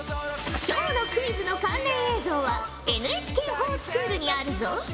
今日のクイズの関連映像はＮＨＫｆｏｒＳｃｈｏｏｌにあるぞ。